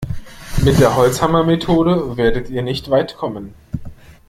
Mit der Holzhammermethode werdet ihr nicht weit kommen.